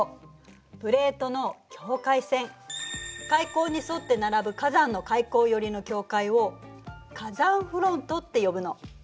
海溝に沿って並ぶ火山の海溝寄りの境界を火山フロントって呼ぶの。